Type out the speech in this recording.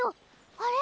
あれ。